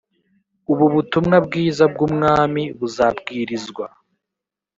ubu butumwa bwiza bw ubwami buzabwirizwa